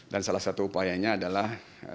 dan salah satu upayanya adalah